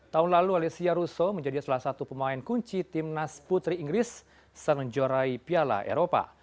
tahun lalu alicia russo menjadi salah satu pemain kunci timnas putri inggris semenjorai piala eropa